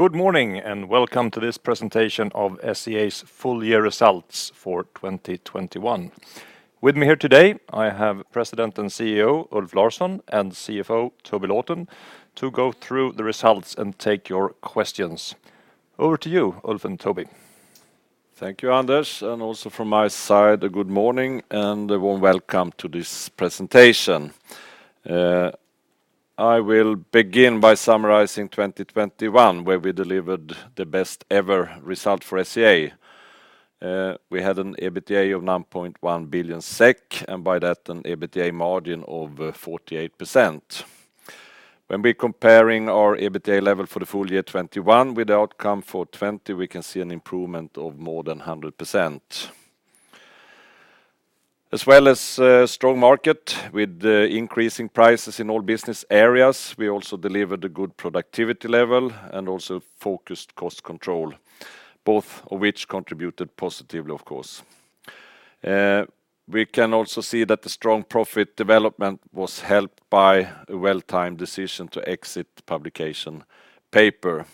Good morning, and welcome to this presentation of SCA's full year results for 2021. With me here today, I have President and CEO Ulf Larsson and CFO Toby Lawton to go through the results and take your questions. Over to you, Ulf and Toby. Thank you, Anders, and also from my side, a good morning and a warm welcome to this presentation. I will begin by summarizing 2021, where we delivered the best ever result for SCA. We had an EBITDA of 9.1 billion SEK, and by that, an EBITDA margin of 48%. When we're comparing our EBITDA level for the full year 2021 with the outcome for 2020, we can see an improvement of more than 100%. As well as a strong market with the increasing prices in all business areas, we also delivered a good productivity level and also focused cost control, both of which contributed positively, of course. We can also see that the strong profit development was helped by a well-timed decision to exit publication paper.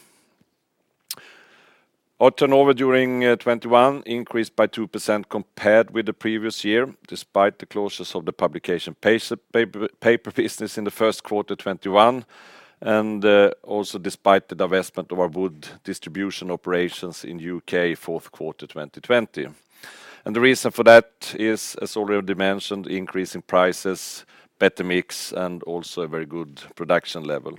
Our turnover during 2021 increased by 2% compared with the previous year, despite the closures of the publication paper business in the first quarter 2021, and also despite the divestment of our wood distribution operations in U.K. fourth quarter 2020. The reason for that is, as already mentioned, increasing prices, better mix, and also a very good production level.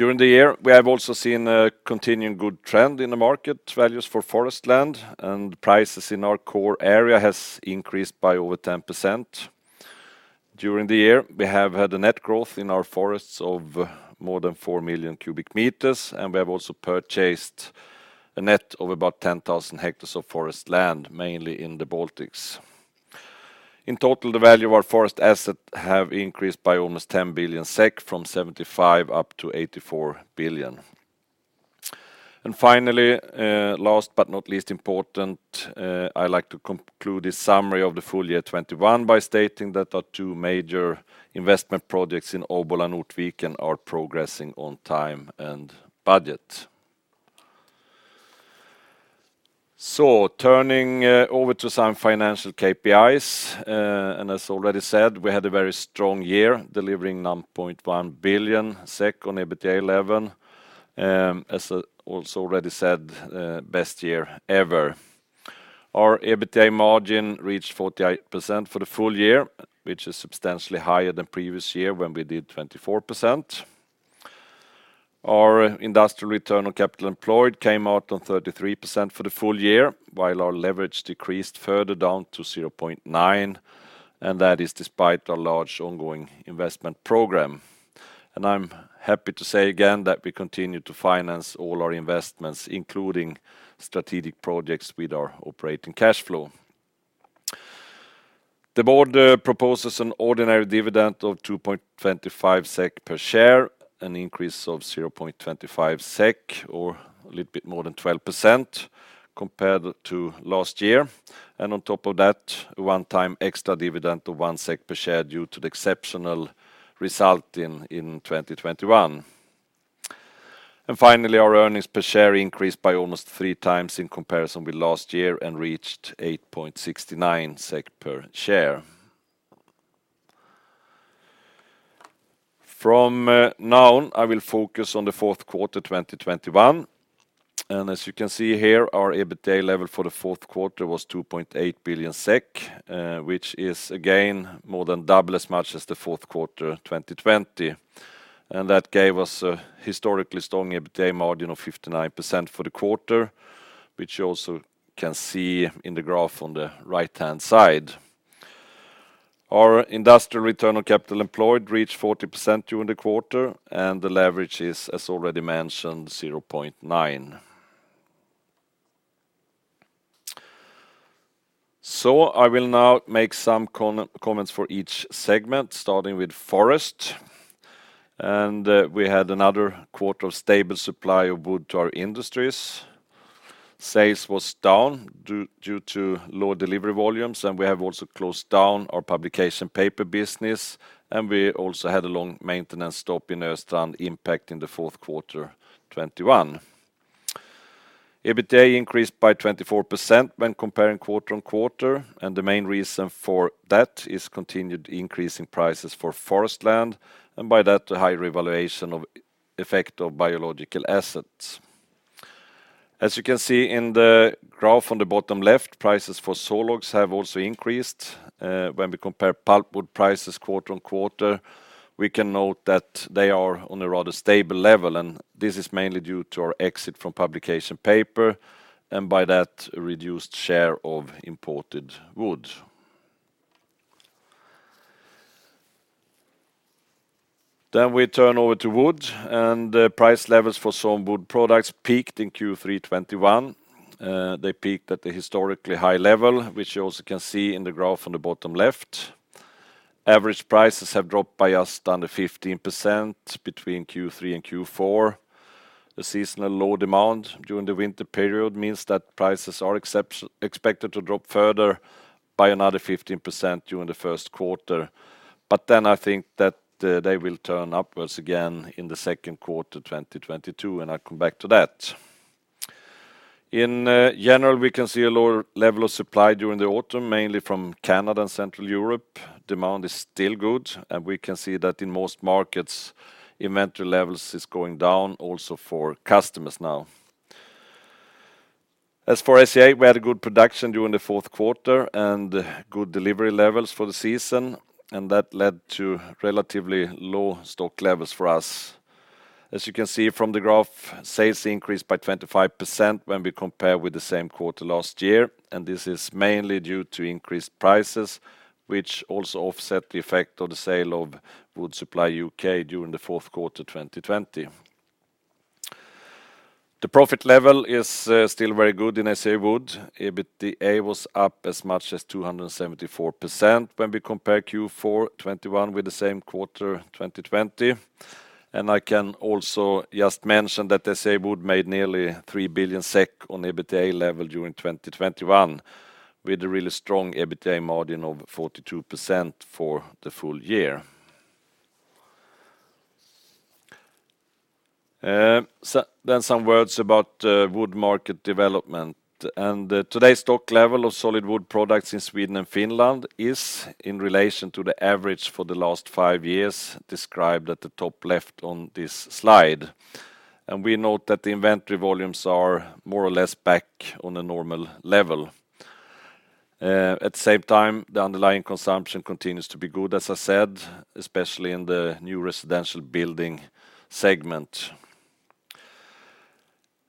During the year, we have also seen a continuing good trend in the market values for forest land, and prices in our core area has increased by over 10%. During the year, we have had a net growth in our forests of more than 4 million cu m, and we have also purchased a net of about 10,000 hectares of forest land, mainly in the Baltics. In total, the value of our forest asset have increased by almost 10 billion SEK, from 75 billion up to 84 billion. Finally, last but not least important, I like to conclude this summary of the full year 2021 by stating that our two major investment projects in Obbola are progressing on time and budget. Turning over to some financial KPIs, and as already said, we had a very strong year, delivering 9.1 billion SEK in EBITDA, as also already said, best year ever. Our EBITDA margin reached 48% for the full year, which is substantially higher than previous year when we did 24%. Our industrial return on capital employed came out on 33% for the full year, while our leverage decreased further down to 0.9, and that is despite our large ongoing investment program. I'm happy to say again that we continue to finance all our investments, including strategic projects with our operating cash flow. The board proposes an ordinary dividend of 2.25 SEK per share, an increase of 0.25 SEK, or a little bit more than 12% compared to last year. On top of that, a one-time extra dividend of 1 SEK per share due to the exceptional result in 2021. Finally, our earnings per share increased by almost 3x in comparison with last year and reached 8.69 SEK per share. From now, I will focus on the fourth quarter 2021, and as you can see here, our EBITDA level for the fourth quarter was 2.8 billion SEK, which is again more than double as much as the fourth quarter 2020. That gave us a historically strong EBITDA margin of 59% for the quarter, which you also can see in the graph on the right-hand side. Our industrial return on capital employed reached 40% during the quarter, and the leverage is, as already mentioned, 0.9. I will now make some comments for each segment, starting with forest. We had another quarter of stable supply of wood to our industries. Sales was down due to lower delivery volumes, and we have also closed down our publication paper business, and we also had a long maintenance stop in Östrand impacting the fourth quarter 2021. EBITDA increased by 24% when comparing quarter-on-quarter, and the main reason for that is continued increase in prices for forest land, and by that, a higher valuation of biological assets. As you can see in the graph on the bottom left, prices for sawlogs have also increased. When we compare pulpwood prices quarter-over-quarter, we can note that they are on a rather stable level, and this is mainly due to our exit from publication paper, and by that, a reduced share of imported wood. We turn over to wood, and, price levels for some wood products peaked in Q3 2021. They peaked at the historically high level, which you also can see in the graph on the bottom left. Average prices have dropped by just under 15% between Q3 2021 and Q4 2021. The seasonal low demand during the winter period means that prices are expected to drop further by another 15% during the first quarter. I think that they will turn upwards again in the second quarter 2022, and I'll come back to that. In general, we can see a lower level of supply during the autumn, mainly from Canada and Central Europe. Demand is still good, and we can see that in most markets, inventory levels is going down also for customers now. As for SCA, we had a good production during the fourth quarter, and good delivery levels for the season, and that led to relatively low stock levels for us. As you can see from the graph, sales increased by 25% when we compare with the same quarter last year, and this is mainly due to increased prices, which also offset the effect of the sale of Wood Supply UK during the fourth quarter 2020. The profit level is still very good in SCA Wood. EBITDA was up as much as 274% when we compare Q4 2021 with the same quarter 2020. I can also just mention that SCA Wood made nearly 3 billion SEK on EBITDA level during 2021, with a really strong EBITDA margin of 42% for the full year. Some words about wood market development. Today's stock level of solid wood products in Sweden and Finland is, in relation to the average for the last five years, described at the top left on this slide. We note that the inventory volumes are more or less back on a normal level. At the same time, the underlying consumption continues to be good, as I said, especially in the new residential building segment.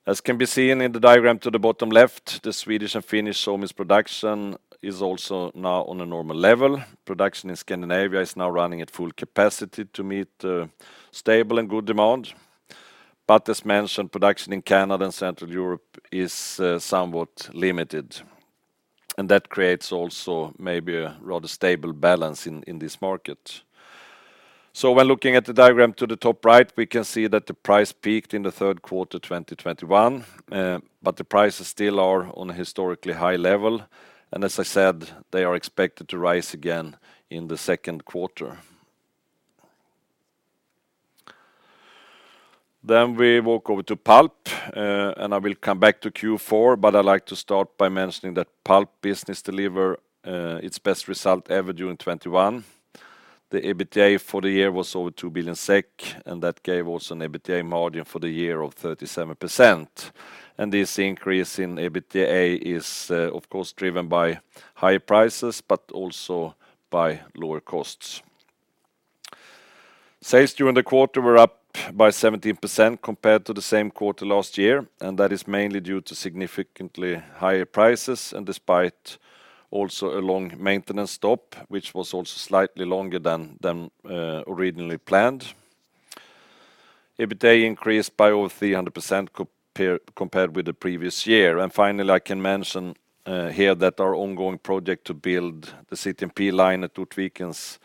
As can be seen in the diagram to the bottom left, the Swedish and Finnish sawmills production is also now on a normal level. Production in Scandinavia is now running at full capacity to meet stable and good demand. As mentioned, production in Canada and Central Europe is somewhat limited, and that creates also maybe a rather stable balance in this market. When looking at the diagram to the top right, we can see that the price peaked in the third quarter 2021, but the prices still are on a historically high level, and as I said, they are expected to rise again in the second quarter. We walk over to pulp, and I will come back to Q4, but I'd like to start by mentioning that pulp business deliver its best result ever during 2021. The EBITDA for the year was over 2 billion SEK, and that gave also an EBITDA margin for the year of 37%. This increase in EBITDA is, of course, driven by high prices, but also by lower costs. Sales during the quarter were up by 17% compared to the same quarter last year, and that is mainly due to significantly higher prices, and despite also a long maintenance stop, which was also slightly longer than originally planned. EBITDA increased by over 300% compared with the previous year. Finally, I can mention here that our ongoing project to build the CTMP line at Ortviken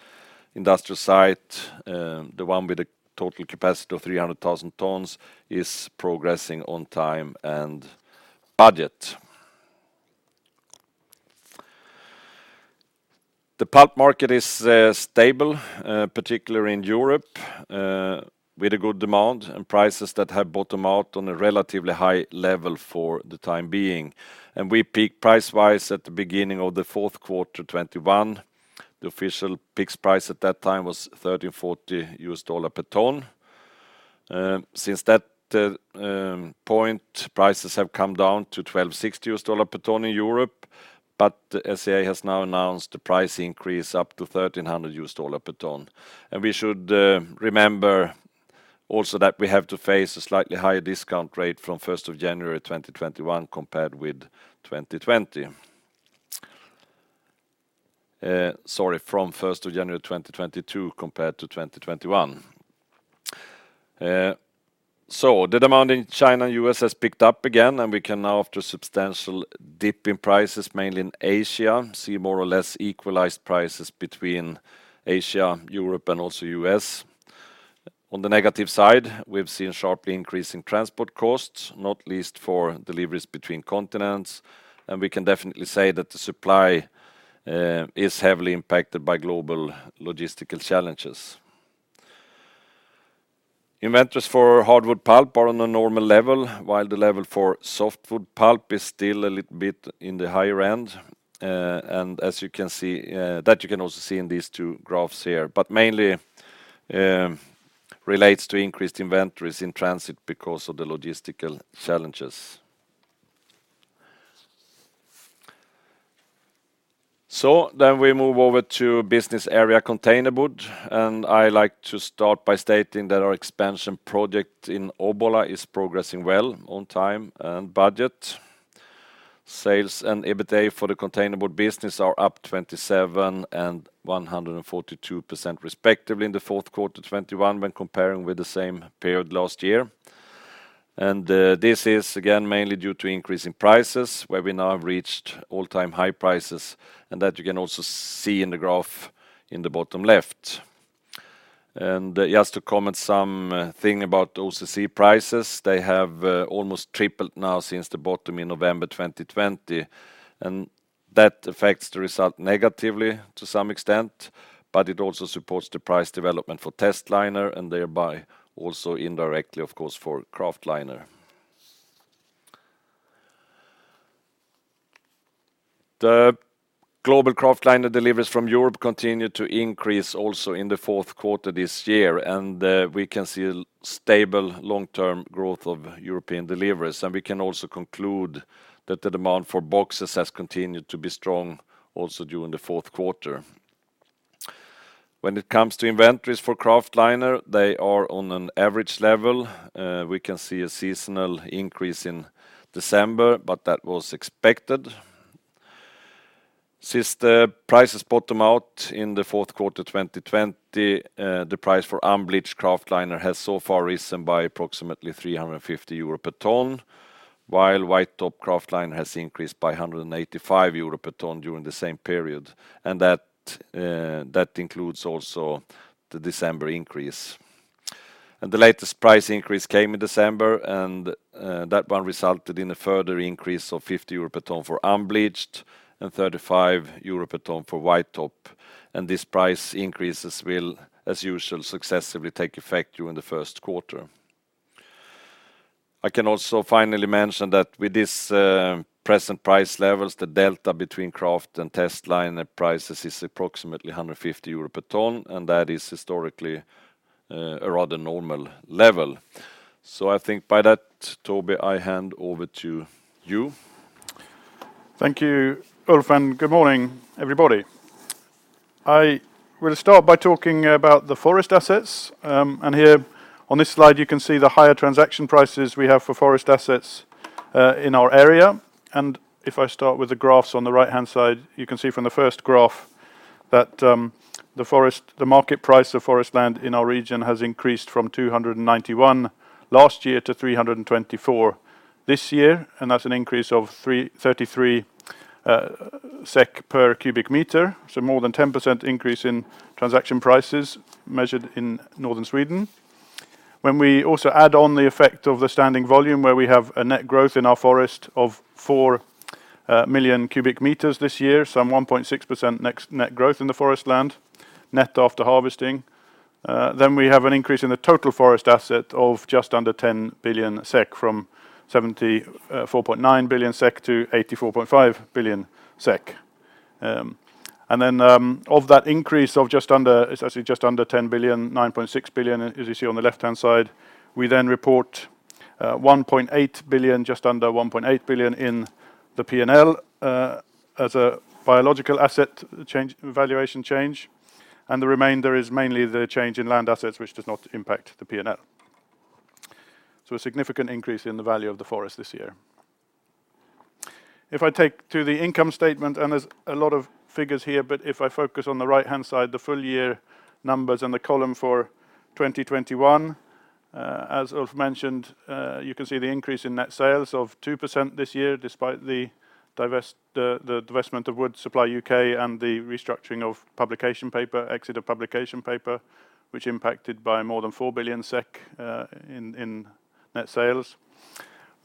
industrial site, the one with a total capacity of 300,000 tons, is progressing on time and budget. The pulp market is stable, particularly in Europe, with a good demand and prices that have bottomed out on a relatively high level for the time being. We peak price-wise at the beginning of the fourth quarter 2021. The official peak price at that time was $1,340 per ton. Since that point, prices have come down to $1,260 per ton in Europe, but SCA has now announced the price increase up to $1,300 per ton. We should remember also that we have to face a slightly higher discount rate from first of January 2021 compared with 2020, from 1st of January 2022 compared to 2021. The demand in China and U.S. has picked up again, and we can now, after substantial dip in prices, mainly in Asia, see more or less equalized prices between Asia, Europe, and also U.S. On the negative side, we've seen sharp increase in transport costs, not least for deliveries between continents, and we can definitely say that the supply is heavily impacted by global logistical challenges. Inventories for hardwood pulp are on a normal level, while the level for softwood pulp is still a little bit in the higher end, and as you can see, that you can also see in these two graphs here, but mainly relates to increased inventories in transit because of the logistical challenges. We move over to business area containerboard, and I like to start by stating that our expansion project in Obbola is progressing well, on time and budget. Sales and EBITDA for the containerboard business are up 27% and 142% respectively in the fourth quarter 2021 when comparing with the same period last year. This is again mainly due to increase in prices, where we now have reached all-time high prices, and that you can also see in the graph in the bottom left. Just to comment something about OCC prices, they have almost tripled now since the bottom in November 2020. That affects the result negatively to some extent, but it also supports the price development for testliner and thereby also indirectly, of course, for kraftliner. The global kraftliner deliveries from Europe continued to increase also in the fourth quarter this year, and we can see a stable long-term growth of European deliveries. We can also conclude that the demand for boxes has continued to be strong also during the fourth quarter. When it comes to inventories for kraftliner, they are on an average level. We can see a seasonal increase in December, but that was expected. Since the prices bottom out in the fourth quarter 2020, the price for unbleached kraftliner has so far risen by approximately 350 euro per ton, while white top kraftliner has increased by 185 euro per ton during the same period, and that includes also the December increase. The latest price increase came in December, and that one resulted in a further increase of 50 euro per ton for unbleached and 35 euro per ton for white top. These price increases will, as usual, successively take effect during the first quarter. I can also finally mention that with this, present price levels, the delta between kraftliner and testliner prices is approximately 150 euro per ton, and that is historically, a rather normal level. I think by that, Toby, I hand over to you. Thank you, Ulf, and good morning, everybody. I will start by talking about the forest assets, and here on this slide, you can see the higher transaction prices we have for forest assets, in our area. If I start with the graphs on the right-hand side, you can see from the first graph that, the market price of forest land in our region has increased from 291 last year to 324 this year, and that's an increase of 33 SEK per cubic meter, so more than 10% increase in transaction prices measured in northern Sweden. When we also add on the effect of the standing volume, where we have a net growth in our forest of 4 million cu m this year, some 1.6% net growth in the forest land, net after harvesting, then we have an increase in the total forest asset of just under 10 billion SEK from 74.9 billion SEK to 84.5 billion SEK. Of that increase of just under, it's actually just under 10 billion, 9.6 billion, as you see on the left-hand side, we then report just under 1.8 billion in the P&L as a biological asset change, valuation change, and the remainder is mainly the change in land assets, which does not impact the P&L. A significant increase in the value of the forest this year. If I take you to the income statement, and there's a lot of figures here, but if I focus on the right-hand side, the full-year numbers and the column for 2021, as Ulf mentioned, you can see the increase in net sales of 2% this year, despite the divestment of Wood Supply UK and the restructuring of publication paper, exit of publication paper, which impacted net sales by more than 4 billion SEK.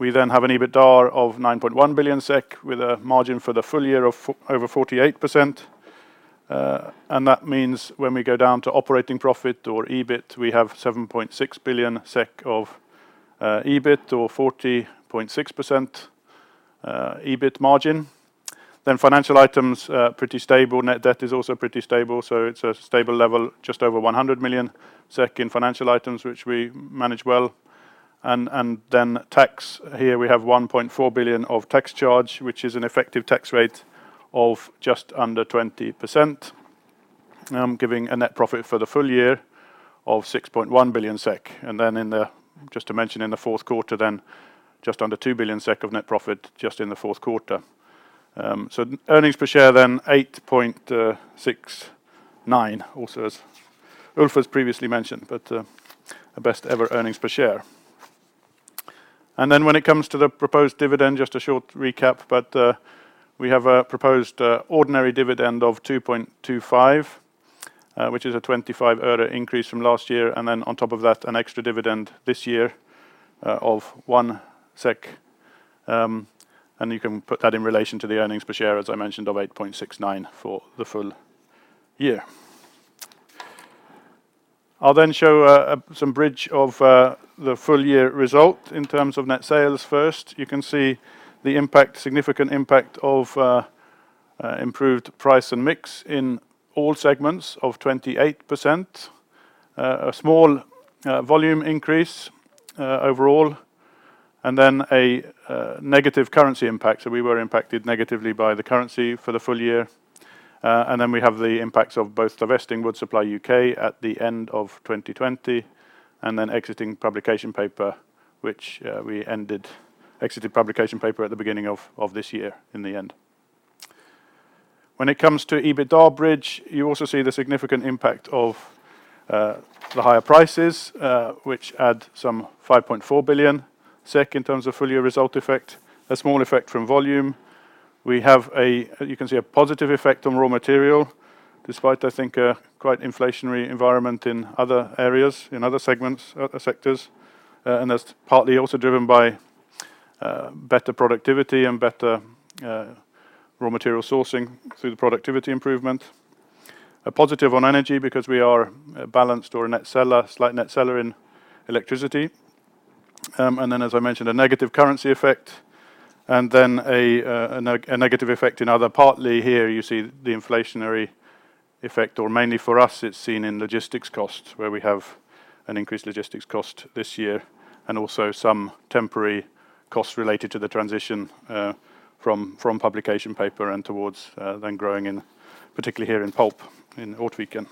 We then have an EBITDA of 9.1 billion SEK with a margin for the full year of over 48%. That means when we go down to operating profit or EBIT, we have 7.6 billion SEK of EBIT or 40.6% EBIT margin. Financial items pretty stable. Net debt is also pretty stable, so it's a stable level, just over 100 million SEK in financial items, which we manage well. Then tax. Here we have 1.4 billion of tax charge, which is an effective tax rate of just under 20%, giving a net profit for the full year of 6.1 billion SEK. In the, just to mention, in the fourth quarter, just under 2 billion SEK of net profit just in the fourth quarter. Earnings per share 8.69, also as Ulf has previously mentioned, but a best ever earnings per share. When it comes to the proposed dividend, just a short recap, but we have a proposed ordinary dividend of 2.25, which is a 25 year-on-year increase from last year, and then on top of that, an extra dividend this year of 1 SEK, and you can put that in relation to the earnings per share, as I mentioned, of 8.69 for the full year. I'll then show some bridge of the full year result in terms of net sales first. You can see the impact, significant impact of improved price and mix in all segments of 28%. A small volume increase overall, and then a negative currency impact. We were impacted negatively by the currency for the full year. We have the impacts of both divesting Wood Supply UK at the end of 2020 and then exiting publication paper, which we exited publication paper at the beginning of this year. When it comes to EBITDA bridge, you also see the significant impact of the higher prices, which add some 5.4 billion SEK in terms of full year result effect, a small effect from volume. You can see a positive effect on raw material, despite I think a quite inflationary environment in other areas, in other segments, sectors. That's partly also driven by better productivity and better raw material sourcing through the productivity improvement. A positive on energy because we are balanced or a slight net seller in electricity. As I mentioned, a negative currency effect, and then a negative effect in other. Partly here you see the inflationary effect, or mainly for us it's seen in logistics costs, where we have an increased logistics cost this year, and also some temporary costs related to the transition from publication paper and towards then growing particularly here in pulp in Ortviken.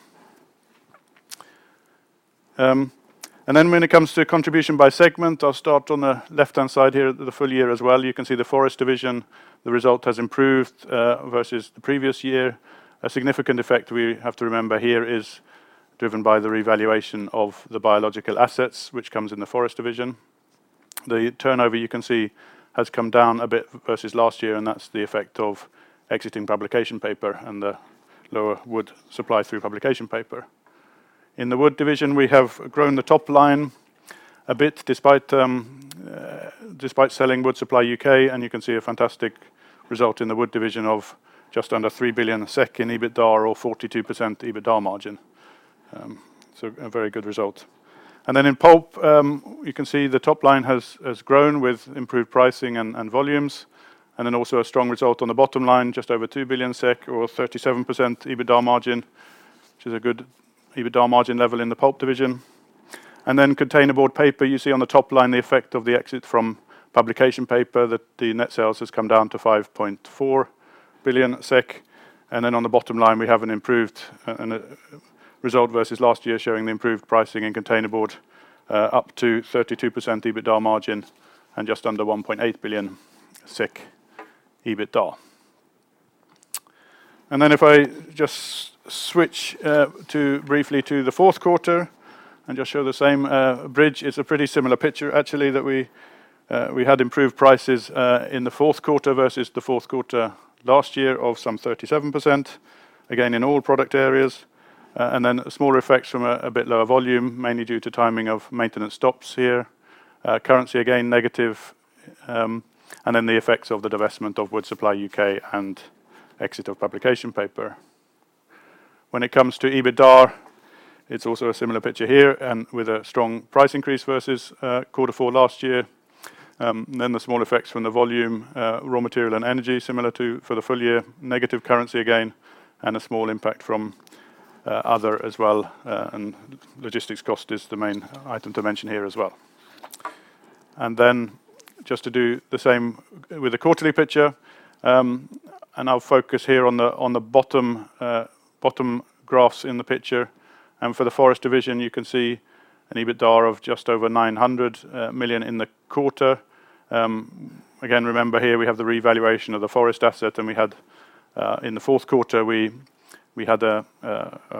When it comes to contribution by segment, I'll start on the left-hand side here, the full year as well. You can see the Forest Division, the result has improved versus the previous year. A significant effect we have to remember here is driven by the revaluation of the biological assets which comes in the Forest Division. The turnover, you can see, has come down a bit versus last year, and that's the effect of exiting publication paper and the lower wood supply through publication paper. In the Wood division, we have grown the top line a bit despite selling Wood Supply UK, and you can see a fantastic result in the Wood division of just under 3 billion in EBITDA or 42% EBITDA margin. A very good result. In pulp, you can see the top line has grown with improved pricing and volumes, and then also a strong result on the bottom line, just over 2 billion SEK or 37% EBITDA margin, which is a good EBITDA margin level in the pulp division. Container board paper, you see on the top line the effect of the exit from publication paper that the net sales has come down to 5.4 billion SEK. On the bottom line, we have an improved result versus last year showing the improved pricing in container board up to 32% EBITDA margin and just under 1.8 billion EBITDA. If I just switch briefly to the fourth quarter and just show the same bridge, it's a pretty similar picture actually that we had improved prices in the fourth quarter versus the fourth quarter last year of some 37%, again in all product areas. Smaller effects from a bit lower volume, mainly due to timing of maintenance stops here. Currency again, negative, and then the effects of the divestment of Wood Supply UK. And exit of publication paper. When it comes to EBITDA, it's also a similar picture here, with a strong price increase versus quarter four last year. The small effects from the volume, raw material, and energy, similar to for the full year, negative currency again, and a small impact from other as well, and logistics cost is the main item to mention here as well. Just to do the same with the quarterly picture, and I'll focus here on the bottom graphs in the picture. For the forest division, you can see an EBITDA of just over 900 million in the quarter. Again, remember here we have the revaluation of the forest asset, and we had in the fourth quarter, we had a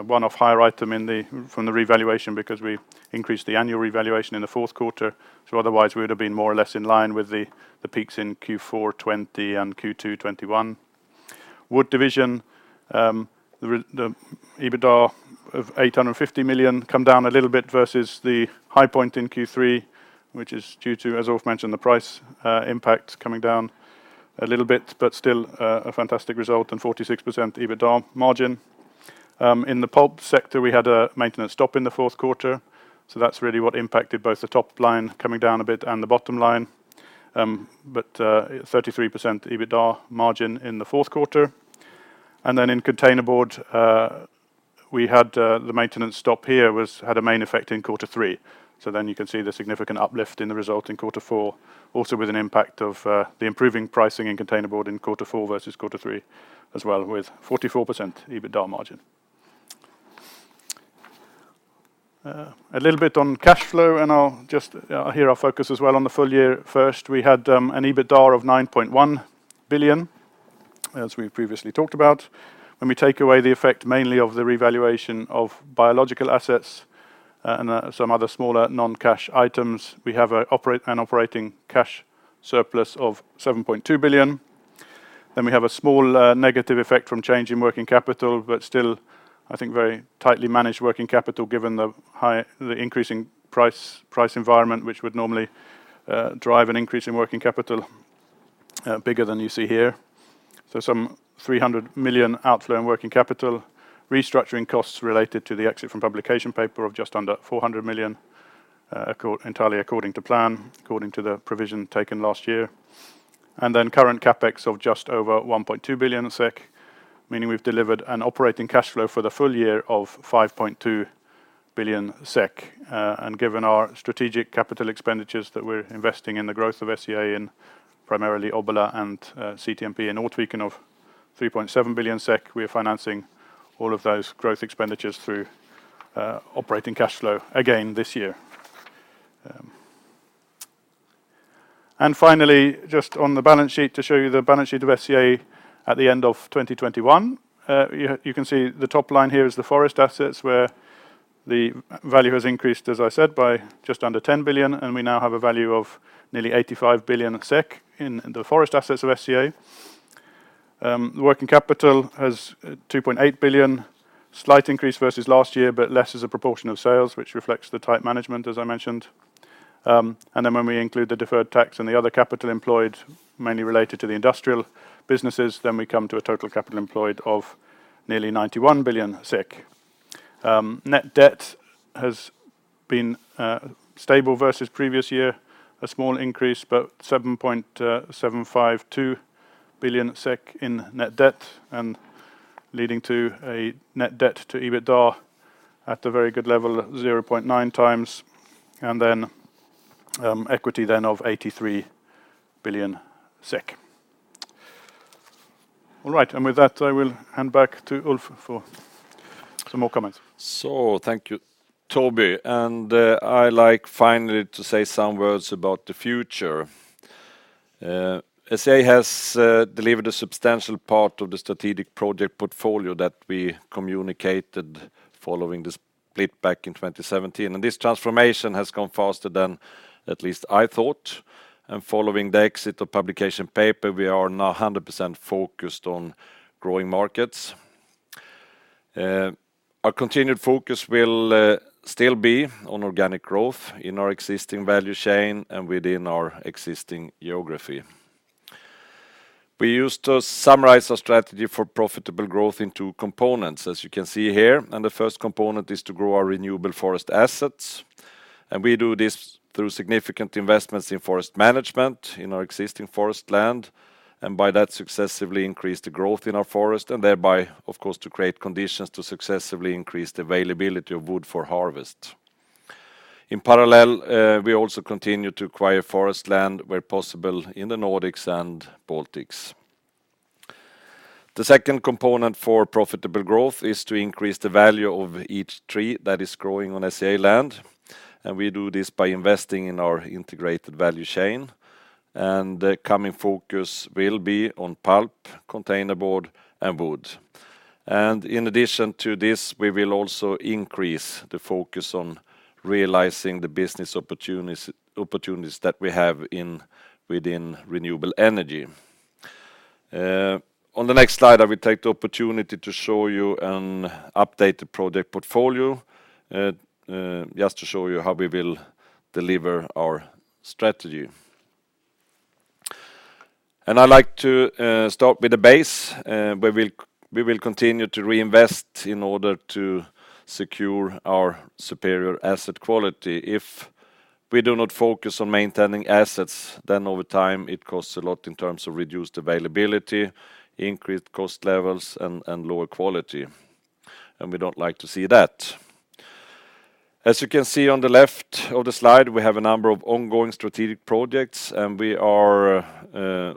one-off higher item in the from the revaluation because we increased the annual revaluation in the fourth quarter. Otherwise, we would have been more or less in line with the peaks in Q4 2020 and Q2 2021. Wood division, the EBITDA of 850 million came down a little bit versus the high point in Q3, which is due to, as Ulf mentioned, the price impact coming down a little bit, but still a fantastic result and 46% EBITDA margin. In the pulp sector, we had a maintenance stop in the fourth quarter, so that's really what impacted both the top line coming down a bit and the bottom line. 33% EBITDA margin in the fourth quarter. In containerboard, we had the maintenance stop here had a main effect in quarter three. You can see the significant uplift in the result in quarter four, also with an impact of the improving pricing in containerboard in quarter four versus quarter three as well with 44% EBITDA margin. A little bit on cash flow, and I'll just here focus as well on the full year first. We had an EBITDA of 9.1 billion, as we previously talked about. When we take away the effect mainly of the revaluation of biological assets and some other smaller non-cash items, we have an operating cash surplus of 7.2 billion. We have a small negative effect from change in working capital, but still, I think, very tightly managed working capital given the high, increasing price environment, which would normally drive an increase in working capital bigger than you see here. Some 300 million outflow in working capital, restructuring costs related to the exit from publication paper of just under 400 million, entirely according to plan, according to the provision taken last year. Current CapEx of just over 1.2 billion SEK, meaning we've delivered an operating cash flow for the full year of 5.2 billion SEK. Given our strategic capital expenditures that we're investing in the growth of SCA in primarily Obbola and CTMP in Ortviken of 3.7 billion SEK, we are financing all of those growth expenditures through operating cash flow again this year. Finally, just on the balance sheet to show you the balance sheet of SCA at the end of 2021. You can see the top line here is the forest assets where the value has increased, as I said, by just under 10 billion, and we now have a value of nearly 85 billion SEK in the forest assets of SCA. The working capital has 2.8 billion, slight increase versus last year, but less as a proportion of sales, which reflects the tight management as I mentioned. When we include the deferred tax and the other capital employed mainly related to the industrial businesses, we come to a total capital employed of nearly 91 billion. Net debt has been stable versus previous year, a small increase, but 7.752 billion SEK in net debt and leading to a net debt to EBITDA at a very good level of 0.9x, equity of SEK 83 billion. All right, with that, I will hand back to Ulf for some more comments. Thank you, Toby. I'd like finally to say some words about the future. SCA has delivered a substantial part of the strategic project portfolio that we communicated following the split back in 2017, and this transformation has gone faster than at least I thought. Following the exit of publication paper, we are now 100% focused on growing markets. Our continued focus will still be on organic growth in our existing value chain and within our existing geography. We used to summarize our strategy for profitable growth in two components, as you can see here, and the first component is to grow our renewable forest assets, and we do this through significant investments in forest management in our existing forest land, and by that successively increase the growth in our forest and thereby, of course, to create conditions to successively increase the availability of wood for harvest. In parallel, we also continue to acquire forest land where possible in the Nordics and Baltics. The second component for profitable growth is to increase the value of each tree that is growing on SCA land, and we do this by investing in our integrated value chain, and the coming focus will be on pulp, containerboard, and wood. In addition to this, we will also increase the focus on realizing the business opportunities that we have within renewable energy. On the next slide, I will take the opportunity to show you an updated project portfolio, just to show you how we will deliver our strategy. I like to start with the base. We will continue to reinvest in order to secure our superior asset quality. If we do not focus on maintaining assets, then over time, it costs a lot in terms of reduced availability, increased cost levels, and lower quality, and we don't like to see that. As you can see on the left of the slide, we have a number of ongoing strategic projects, and we are,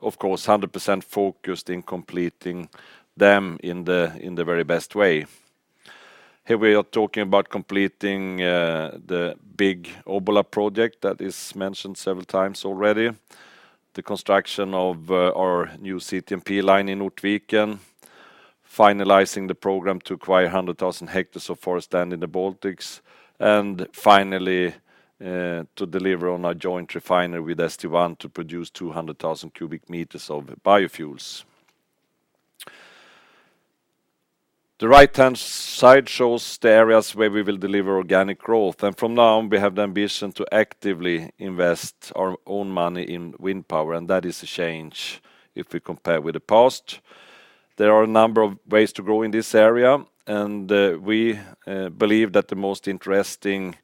of course, 100% focused in completing them in the very best way. Here, we are talking about completing the big Obbola project that is mentioned several times already, the construction of our new CTMP line in Ortviken, finalizing the program to acquire 100,000 hectares of forest land in the Baltics, and finally to deliver on a joint refinery with St1 to produce 200,000 cu m of biofuels. The right-hand side shows the areas where we will deliver organic growth. From now on, we have the ambition to actively invest our own money in wind power, and that is a change if we compare with the past. There are a number of ways to grow in this area, and we believe that the most interesting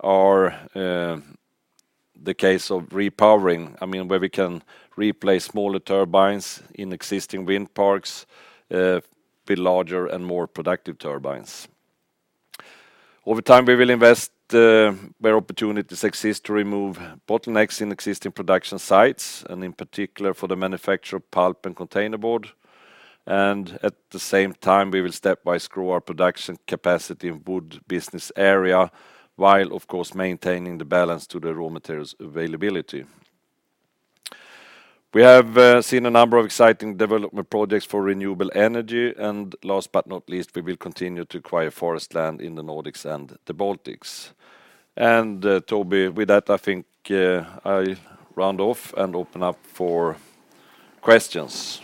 are the case of repowering. I mean, where we can replace smaller turbines in existing wind parks with larger and more productive turbines. Over time, we will invest where opportunities exist to remove bottlenecks in existing production sites, and in particular, for the manufacture of pulp and containerboard. At the same time, we will step by step our production capacity in wood business area while, of course, maintaining the balance to the raw materials availability. We have seen a number of exciting development projects for renewable energy. Last but not least, we will continue to acquire forest land in the Nordics and the Baltics. Toby, with that, I think I round off and open up for questions.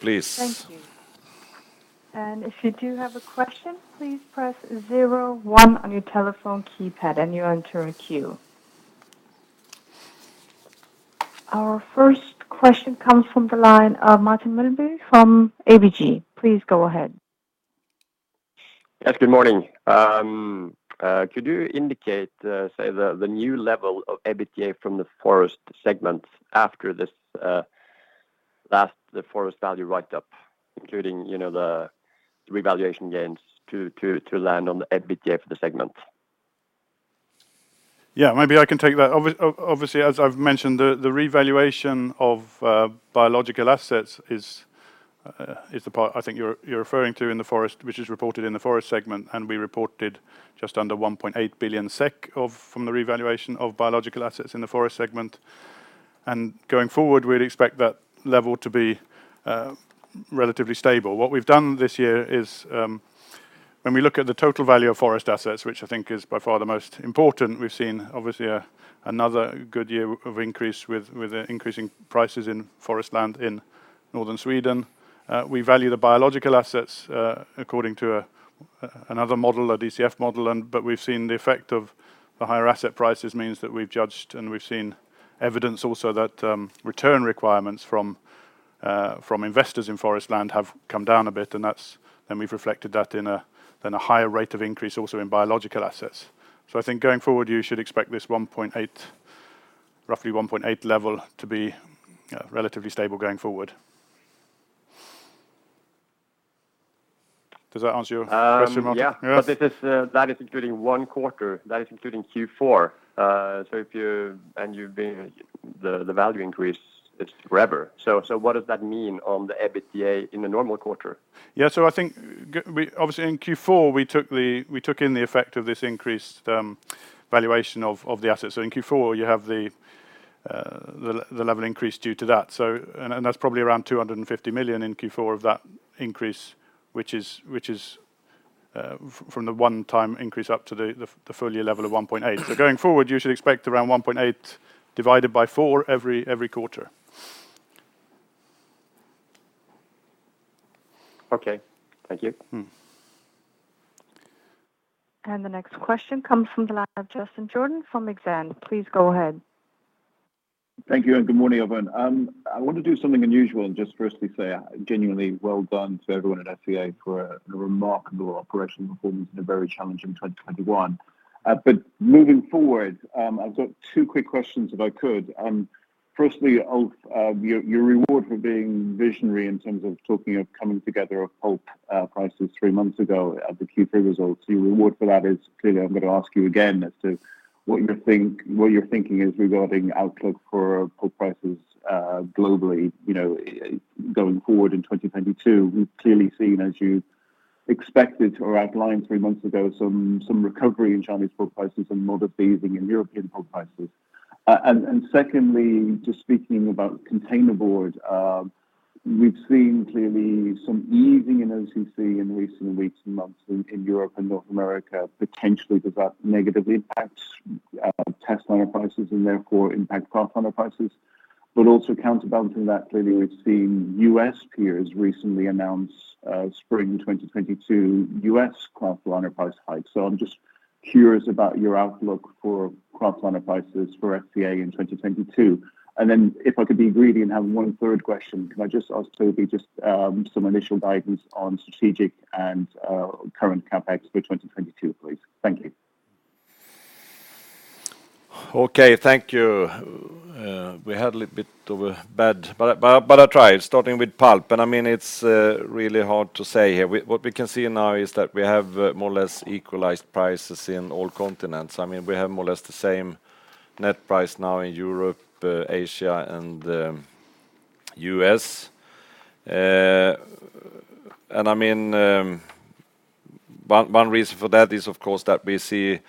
Please. Thank you. If you do have a question, please press zero one on your telephone keypad, and you'll enter a queue. Our first question comes from the line of Martin Melbye from ABG. Please go ahead. Yes, good morning. Could you indicate, say, the new level of EBITDA from the forest segment after this last forest value write-up, including, you know, the revaluation gains to land on the EBITDA for the segment? Yeah, maybe I can take that. Obviously, as I've mentioned, the revaluation of biological assets is the part I think you're referring to in the Forest, which is reported in the Forest segment, and we reported just under 1.8 billion SEK from the revaluation of biological assets in the Forest segment. Going forward, we'd expect that level to be relatively stable. What we've done this year is, when we look at the total value of Forest assets, which I think is by far the most important, we've seen obviously another good year of increase with the increasing prices in forest land in northern Sweden. We value the biological assets according to another model, a DCF model, but we've seen the effect of the higher asset prices means that we've judged, and we've seen evidence also that return requirements from investors in forest land have come down a bit, and that's. We've reflected that in a higher rate of increase also in biological assets. I think going forward, you should expect this 1.8, roughly 1.8 level to be, you know, relatively stable going forward. Does that answer your question, Martin? Yeah. Yes. This is, that is including one quarter, including Q4. If you... You've been, the value increase is forever. What does that mean on the EBITDA in a normal quarter? I think obviously, in Q4, we took in the effect of this increased valuation of the assets. In Q4, you have the level increase due to that. That's probably around 250 million in Q4 of that increase, which is from the one-time increase up to the full year level of 1.8 billion. Going forward, you should expect around 1.8 divided by 4 every quarter. Okay. Thank you. Mm. The next question comes from the line of Justin Jordan from Exane. Please go ahead. Thank you and good morning, everyone. I want to do something unusual and just firstly say, genuinely well done to everyone at SCA for a remarkable operational performance in a very challenging 2021. Moving forward, I've got two quick questions if I could. Firstly, Ulf, your reward for being visionary in terms of talking of coming together of pulp prices three months ago at the Q3 results. Your reward for that is, clearly I'm gonna ask you again as to what your thinking is regarding outlook for pulp prices, globally, you know, going forward in 2022. We've clearly seen, as you expected or outlined three months ago, some recovery in Chinese pulp prices and moderate easing in European pulp prices. Secondly, just speaking about containerboard, we've seen clearly some easing in OCC in recent weeks and months in Europe and North America. Potentially does that negatively impact testliner prices and therefore impact kraftliner prices. Also counterbalancing that, clearly we've seen U.S. peers recently announce spring 2022 U.S. kraftliner price hikes. I'm just curious about your outlook for kraftliner prices for SCA in 2022. Then if I could be greedy and have one third question, can I just ask Toby some initial guidance on strategic and current CapEx for 2022, please? Thank you. Okay. Thank you. I'll try, starting with pulp. I mean, it's really hard to say here. What we can see now is that we have more or less equalized prices in all continents. I mean, we have more or less the same net price now in Europe, Asia, and U.S. I mean, one reason for that is, of course, that we see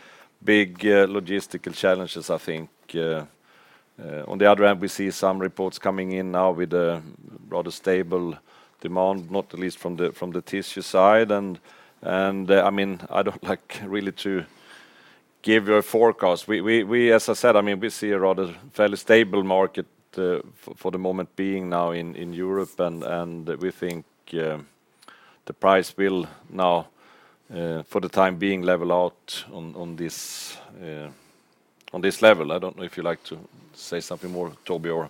big logistical challenges, I think. On the other hand, we see some reports coming in now with a rather stable demand, not least from the tissue side. I mean, I don't like really to give you a forecast. We as I said, I mean, we see a rather fairly stable market for the moment being now in Europe and we think the price will now for the time being level out on this level. I don't know if you'd like to say something more, Toby, or?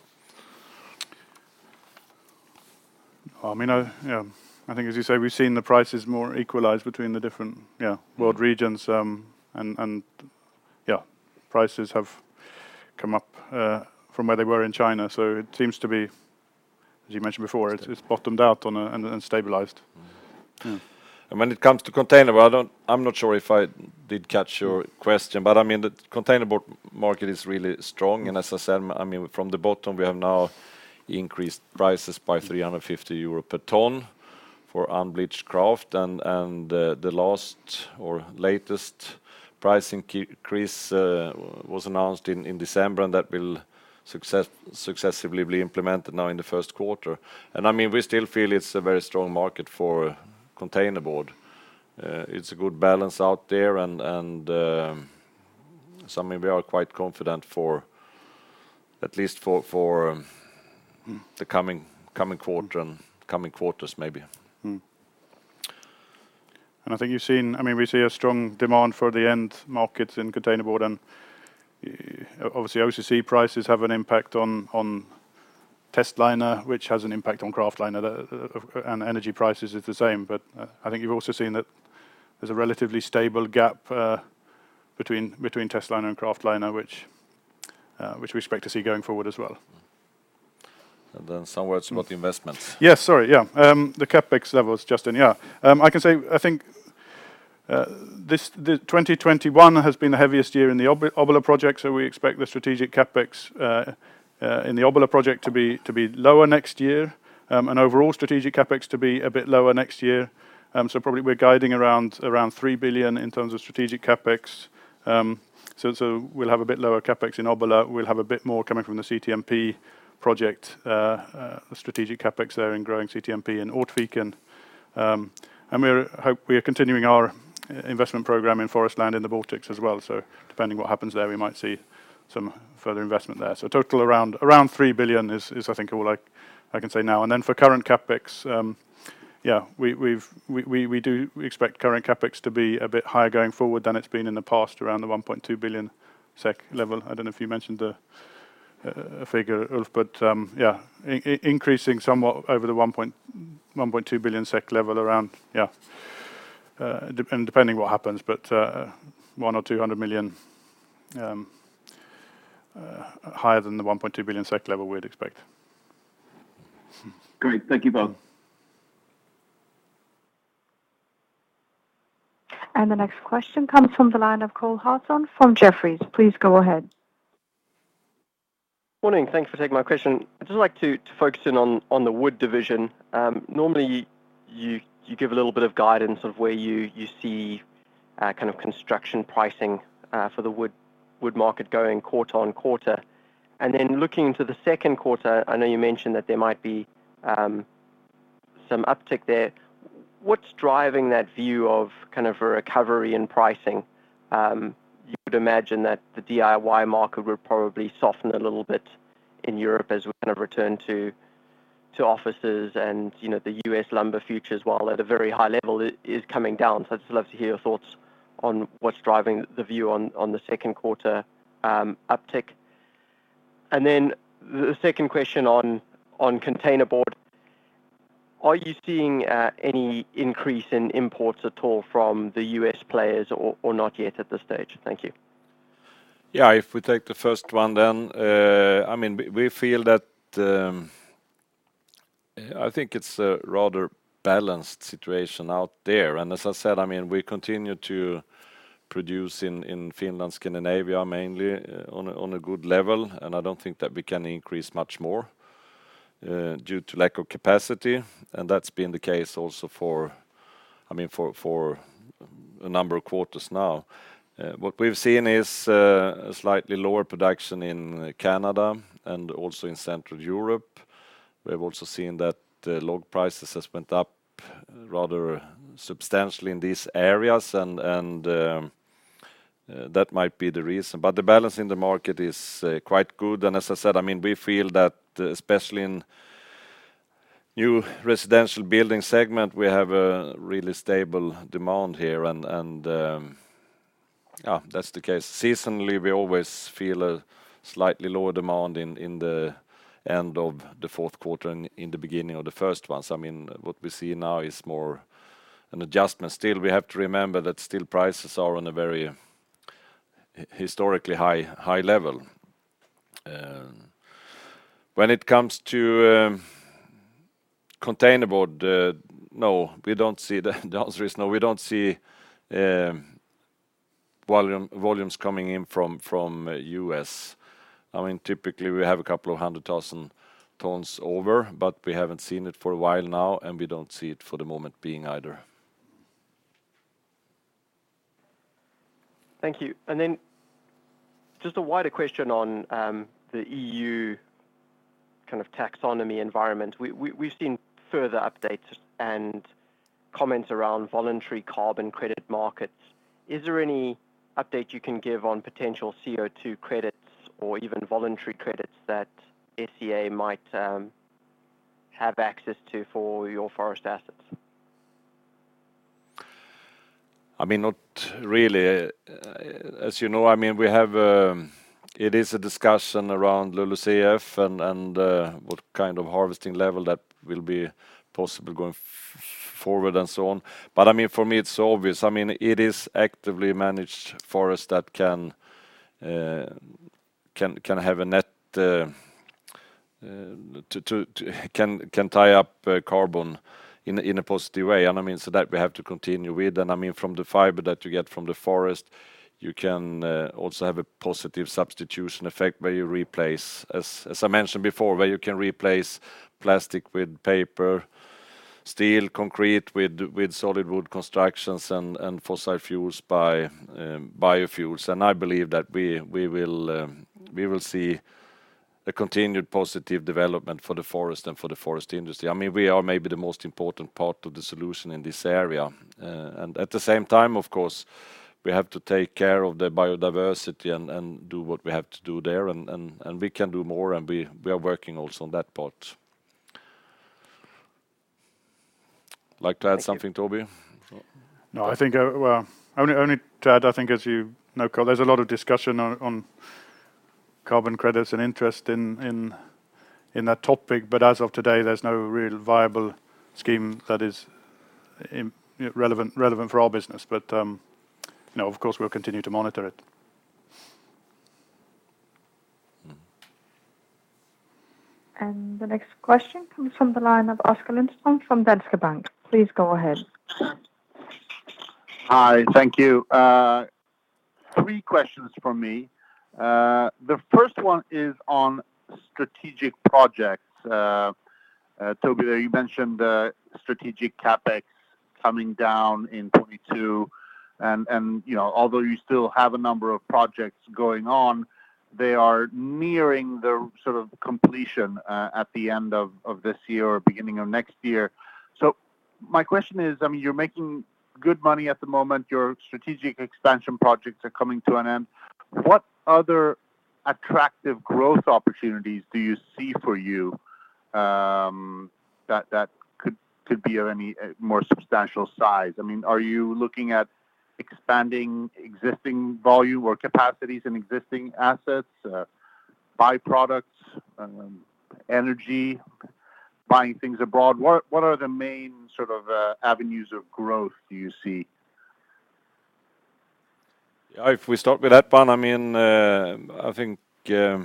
I mean, yeah, I think as you say, we've seen the prices more equalized between the different, yeah, world regions. Yeah, prices have come up from where they were in China. It seems to be, as you mentioned before, it's bottomed out and stabilized. When it comes to containerboard, I'm not sure if I did catch your question, but I mean, the containerboard market is really strong. As I said, I mean, from the bottom, we have now increased prices by 350 euro per ton for unbleached kraft and the last or latest price increase was announced in December, and that will successfully be implemented now in the first quarter. I mean, we still feel it's a very strong market for containerboard. It's a good balance out there and so I mean, we are quite confident for at least the coming quarter and coming quarters, maybe. I think you've seen, I mean, we see a strong demand for the end markets in containerboard and, obviously, OCC prices have an impact on testliner, which has an impact on kraftliner, and energy prices is the same. I think you've also seen that there's a relatively stable gap between testliner and kraftliner, which we expect to see going forward as well. some words about the investments. Yes, sorry. Yeah. The CapEx levels, Justin. Yeah. I can say, I think, this, 2021 has been the heaviest year in the Obbola project, so we expect the strategic CapEx in the Obbola project to be lower next year. Overall strategic CapEx to be a bit lower next year. Probably we're guiding around 3 billion in terms of strategic CapEx. We'll have a bit lower CapEx in Obbola. We'll have a bit more coming from the CTMP project, strategic CapEx there in growing CTMP in Ortviken. We're continuing our investment program in forest land in the Baltics as well. Depending what happens there, we might see some further investment there. Total around 3 billion is I think all I can say now. For current CapEx, yeah, we expect current CapEx to be a bit higher going forward than it's been in the past, around the 1.2 billion SEK level. I dunno if you mentioned the figure, Ulf, but yeah, increasing somewhat over the 1.2 billion SEK level around, yeah. Depending what happens, but one or two hundred million higher than the 1.2 billion SEK level we'd expect. Great. Thank you both. The next question comes from the line of Cole Hathorn from Jefferies. Please go ahead. Morning. Thank you for taking my question. I'd just like to focus in on the wood division. Normally you give a little bit of guidance of where you see kind of construction pricing for the wood market going quarter-on-quarter. Looking to the second quarter, I know you mentioned that there might be some uptick there. What's driving that view of kind of a recovery in pricing? You would imagine that the DIY market would probably soften a little bit in Europe as we kind of return to offices and, you know, the U.S. lumber futures, while at a very high level is coming down. I'd just love to hear your thoughts on what's driving the view on the second quarter uptick. The second question on containerboard. Are you seeing any increase in imports at all from the U.S. players or not yet at this stage? Thank you. Yeah. If we take the first one then, I mean, we feel that, I think it's a rather balanced situation out there. As I said, I mean, we continue to produce in Finland, Scandinavia mainly on a good level, and I don't think that we can increase much more due to lack of capacity. That's been the case also for, I mean, for a number of quarters now. What we've seen is, a slightly lower production in Canada and also in Central Europe. We've also seen that the log prices has went up rather substantially in these areas and that might be the reason, but the balance in the market is quite good. As I said, I mean, we feel that especially in new residential building segment, we have a really stable demand here and, yeah, that's the case. Seasonally, we always feel a slightly lower demand in the end of the fourth quarter and in the beginning of the first one. I mean, what we see now is more an adjustment. Still, we have to remember that still prices are on a very historically high level. When it comes to containerboard, no, the answer is no, we don't see volumes coming in from the U.S. I mean, typically we have a couple of hundred thousand tons over, but we haven't seen it for a while now, and we don't see it for the moment being either. Thank you. Just a wider question on the EU kind of taxonomy environment. We've seen further updates and comments around voluntary carbon credit markets. Is there any update you can give on potential CO2 credits or even voluntary credits that SCA might have access to for your forest assets? I mean, not really. As you know, I mean, we have. It is a discussion around LULUCF and what kind of harvesting level that will be possible going forward and so on. I mean, for me it's obvious, I mean, it is actively managed forest that can tie up carbon in a positive way. I mean, so that we have to continue with. I mean, from the fiber that you get from the forest, you can also have a positive substitution effect where you replace, as I mentioned before, where you can replace plastic with paper, steel, concrete with solid wood constructions and fossil fuels by biofuels. I believe that we will see a continued positive development for the forest and for the forest industry. I mean, we are maybe the most important part of the solution in this area. At the same time, of course, we have to take care of the biodiversity and we can do more, and we are working also on that part. Like to add something, Toby? No, I think, well, only to add, I think as you know, Cole, there's a lot of discussion on carbon credits and interest in that topic, but as of today, there's no real viable scheme that is relevant for our business. No, of course, we'll continue to monitor it. Mm-hmm. The next question comes from the line of Oskar Lindström from Danske Bank. Please go ahead. Hi. Thank you. Three questions from me. The first one is on strategic projects. Toby, you mentioned the strategic CapEx coming down in 2022, and you know, although you still have a number of projects going on, they are nearing the sort of completion at the end of this year or beginning of next year. My question is, I mean, you're making good money at the moment, your strategic expansion projects are coming to an end. What other attractive growth opportunities do you see for you that could be of any more substantial size? I mean, are you looking at expanding existing volume or capacities in existing assets, byproducts, energy, buying things abroad? What are the main sort of avenues of growth do you see? Yeah, if we start with that one, I mean, I think, yeah,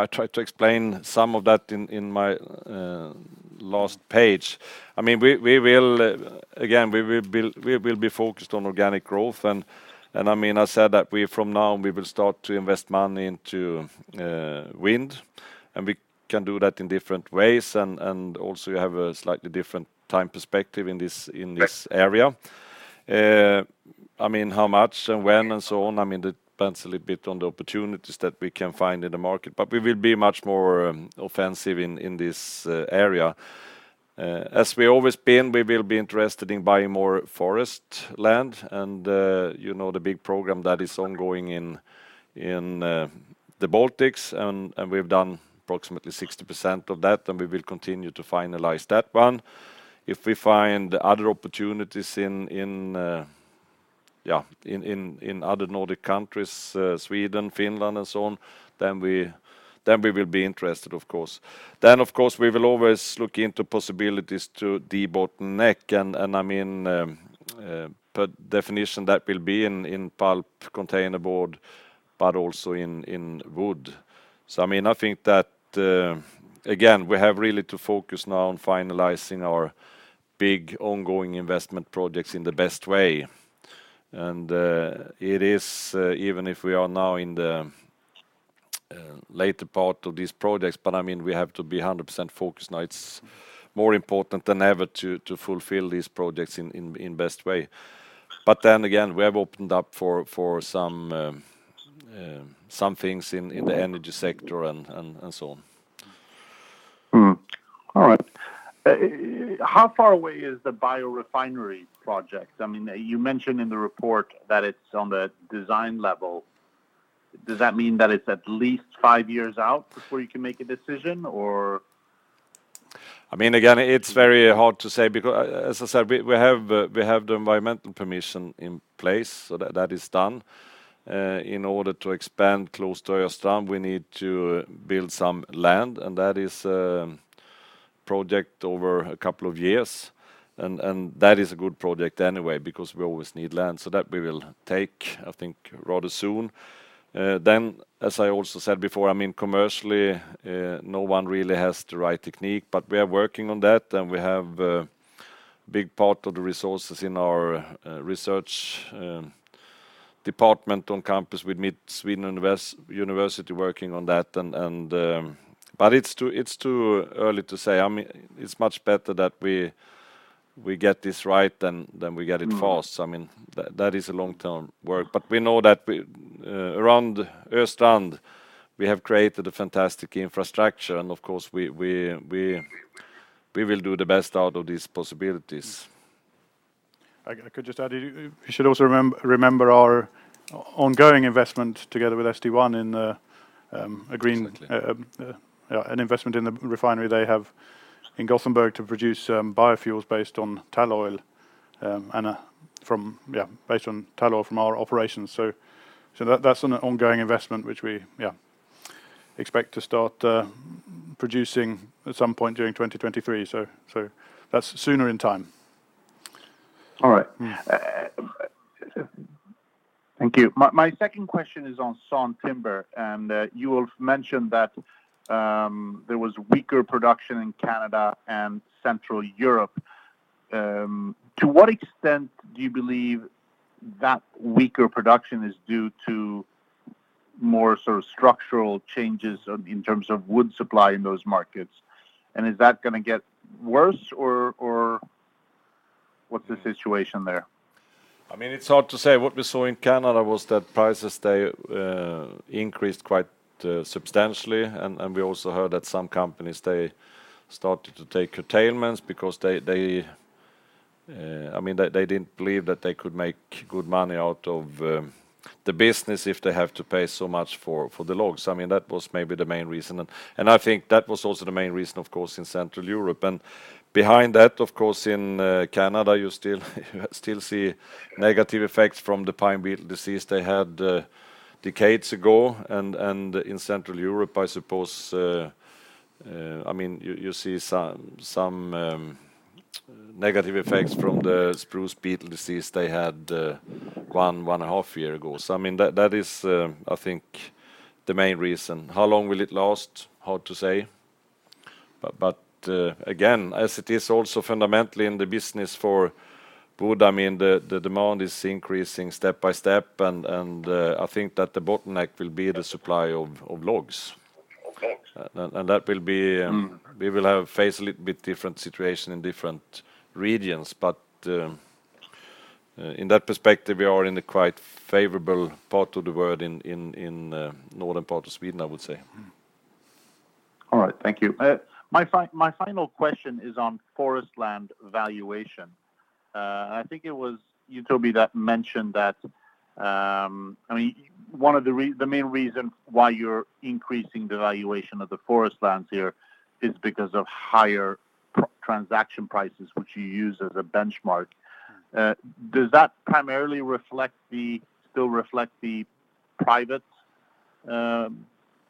I tried to explain some of that in my last page. I mean, we will build. We will be focused on organic growth, and I mean, I said that we from now will start to invest money into wind, and we can do that in different ways, and also you have a slightly different time perspective in this. Yes. Area. I mean, how much and when and so on, I mean, it depends a little bit on the opportunities that we can find in the market. We will be much more offensive in this area. As we always been, we will be interested in buying more forest land and, you know, the big program that is ongoing in the Baltics and we've done approximately 60% of that, and we will continue to finalize that one. If we find other opportunities in other Nordic countries, Sweden, Finland and so on, then we will be interested, of course. Of course, we will always look into possibilities to debottleneck and I mean, per definition that will be in pulp containerboard, but also in wood. I mean, I think that, again, we have really to focus now on finalizing our big ongoing investment projects in the best way. It is even if we are now in the later part of these projects, but I mean, we have to be 100% focused now. It's more important than ever to fulfill these projects in best way. Then again, we have opened up for some things in the energy sector and so on. All right. How far away is the biorefinery project? I mean, you mentioned in the report that it's on the design level. Does that mean that it's at least five years out before you can make a decision or? I mean, again, it's very hard to say because as I said, we have the environmental permission in place, so that is done. In order to expand close to Östrand, we need to build some land, and that is project over a couple of years. That is a good project anyway because we always need land. That we will take, I think, rather soon. As I also said before, I mean, commercially, no one really has the right technique, but we are working on that, and we have big part of the resources in our research department on campus with Mid Sweden University working on that. But it's too early to say. I mean, it's much better that we get this right than we get it fast. Mm. I mean, that is a long-term work. We know that around Östrand we have created a fantastic infrastructure, and of course, we will do the best out of these possibilities. Mm. I could just add, you should also remember our ongoing investment together with St1 in a green- Absolutely. An investment in the refinery they have in Gothenburg to produce biofuels based on tall oil from our operations. That's an ongoing investment which we expect to start producing at some point during 2023. That's sooner in time. All right. Yeah. Thank you. My second question is on sawn timber, and you have mentioned that there was weaker production in Canada and Central Europe. To what extent do you believe that weaker production is due to more sort of structural changes on, in terms of wood supply in those markets? And is that gonna get worse or what's the situation there? I mean, it's hard to say. What we saw in Canada was that prices they increased quite substantially and we also heard that some companies they started to take curtailments because they, I mean, they didn't believe that they could make good money out of the business if they have to pay so much for the logs. I mean, that was maybe the main reason and I think that was also the main reason, of course, in Central Europe. Behind that, of course, in Canada, you still see negative effects from the pine beetle disease they had decades ago. In Central Europe, I suppose, I mean, you see some negative effects from the spruce beetle disease they had one and a half years ago. I mean, that is I think the main reason. How long will it last? Hard to say. Again, as it is also fundamentally in the business for wood, I mean, the demand is increasing step by step and, I think that the bottleneck will be the supply of logs. Of logs. that will be. Mm. We will have to face a little bit different situation in different regions, but in that perspective, we are in a quite favorable part of the world in northern part of Sweden, I would say. All right. Thank you. My final question is on forest land valuation. I think it was you, Toby, that mentioned that, I mean, the main reason why you're increasing the valuation of the forest lands here is because of higher transaction prices, which you use as a benchmark. Does that primarily still reflect the private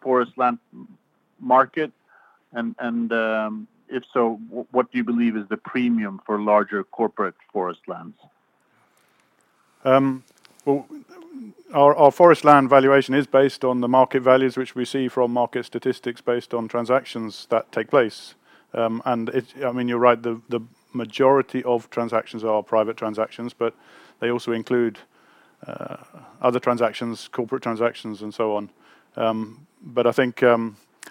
forest land market? And if so, what do you believe is the premium for larger corporate forest lands? Well, our forest land valuation is based on the market values which we see from market statistics based on transactions that take place. I mean, you're right, the majority of transactions are private transactions, but they also include other transactions, corporate transactions and so on. I think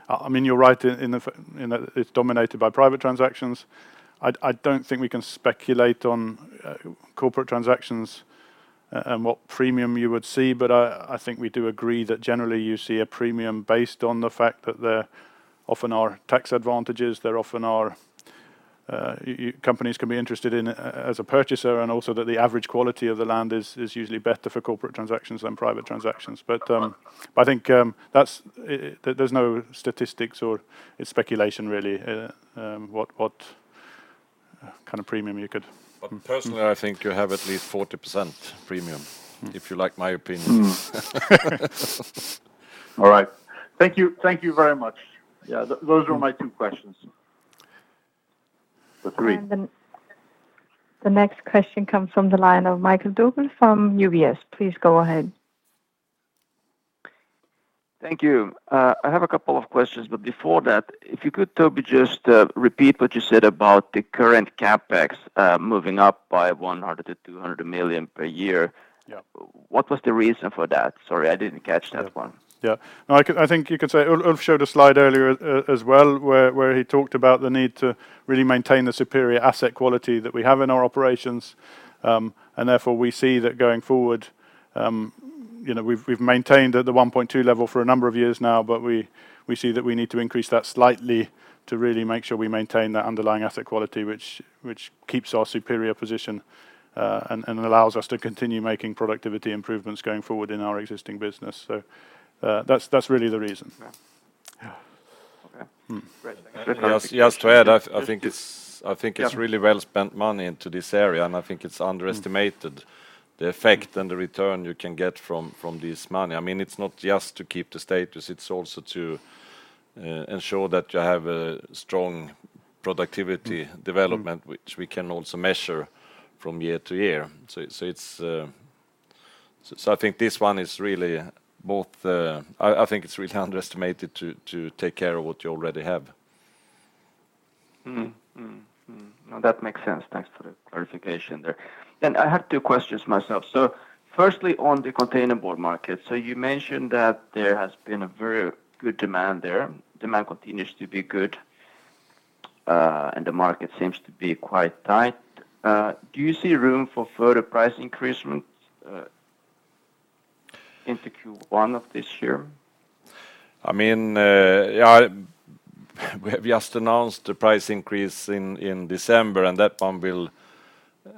I mean, you're right in that it's dominated by private transactions. I don't think we can speculate on corporate transactions and what premium you would see, but I think we do agree that generally you see a premium based on the fact that there often are tax advantages, there often are companies can be interested in as a purchaser and also that the average quality of the land is usually better for corporate transactions than private transactions. I think there's no statistics or it's speculation really, what kind of premium you could? Personally, I think you have at least 40% premium, if you like my opinion. All right. Thank you. Thank you very much. Yeah, those were my two questions. Agree. The next question comes from the line of Michael Dupuis from UBS. Please go ahead. Thank you. I have a couple of questions, but before that, if you could, Toby, just repeat what you said about the current CapEx moving up by 100 million-200 million per year. Yeah. What was the reason for that? Sorry, I didn't catch that one. Yeah. No, I think you could say, Ulf showed a slide earlier as well where he talked about the need to really maintain the superior asset quality that we have in our operations. Therefore, we see that going forward, you know, we've maintained at the 1.2 level for a number of years now, but we see that we need to increase that slightly to really make sure we maintain that underlying asset quality, which keeps our superior position, and allows us to continue making productivity improvements going forward in our existing business. That's really the reason. Yeah. Okay. Great. Just to add, I think it's really well-spent money into this area, and I think it's underestimated the effect and the return you can get from this money. I mean, it's not just to keep the status, it's also to ensure that you have a strong productivity development, which we can also measure from year to year. I think this one is really both. I think it's really underestimated to take care of what you already have. No, that makes sense. Thanks for the clarification there. I have two questions myself. Firstly, on the containerboard market, you mentioned that there has been a very good demand there. Demand continues to be good, and the market seems to be quite tight. Do you see room for further price increase into Q1 of this year? I mean, yeah, we have just announced the price increase in December, and that one will,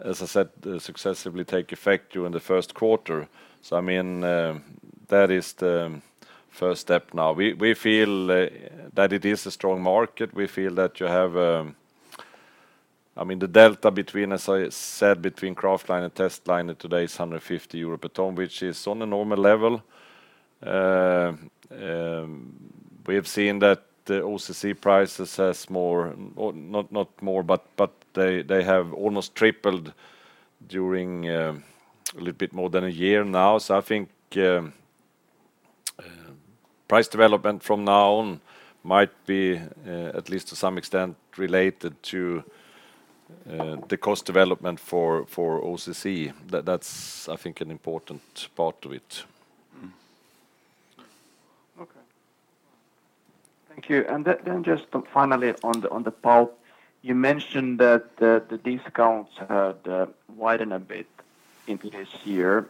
as I said, successively take effect during the first quarter. I mean, that is the first step now. We feel that it is a strong market. We feel that you have. I mean, the delta between, as I said, between kraftliner and testliner today is 150 euro a ton, which is on a normal level. We have seen that the OCC prices have almost tripled during a little bit more than a year now. I think price development from now on might be at least to some extent related to the cost development for OCC. That's, I think, an important part of it. Okay. Thank you. Then just finally on the pulp, you mentioned that the discounts had widened a bit in this year.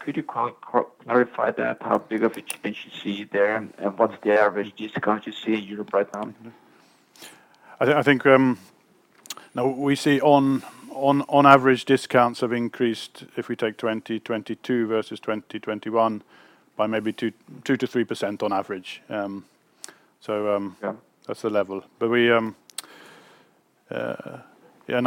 Could you clarify that, how big of a change you see there, and what's the average discount you see in Europe right now? We see on average discounts have increased, if we take 2022 versus 2021, by maybe 2%-3% on average. Yeah. That's the level. I